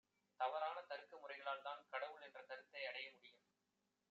தவறான தருக்க முறைகளால்தான் ‘கடவுள்’ என்ற கருத்தையடைய முடியும்.